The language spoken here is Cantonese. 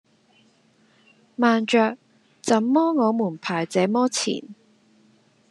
慢著！怎麼我們排這麼前